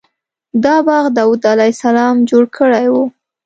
دا باغ داود علیه السلام جوړ کړی و.